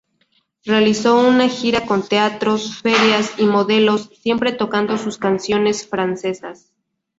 Realizó una gira con teatros, ferias y modelos, siempre tocando sus canciones francesas.